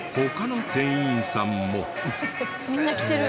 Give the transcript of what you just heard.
みんな着てる。